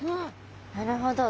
なるほど。